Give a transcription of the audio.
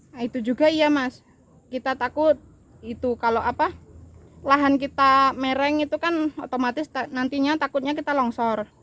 nah itu juga iya mas kita takut itu kalau apa lahan kita mereng itu kan otomatis nantinya takutnya kita longsor